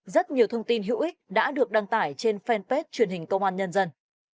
rất nhiều thông tin hữu ích đã được đăng tải trên fanpage truyền hình công an nhân dân